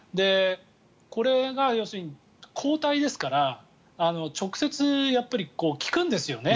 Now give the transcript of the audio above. これが要するに抗体ですから直接やっぱり効くんですよね。